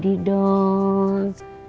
dari tadi dong